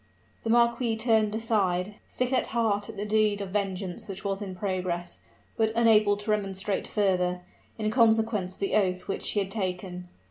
The marquis turned aside, sick at heart at the deed of vengeance which was in progress, but unable to remonstrate further, in consequence of the oath which he had taken.